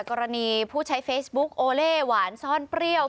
กรณีผู้ใช้เฟซบุ๊คโอเล่หวานซ่อนเปรี้ยว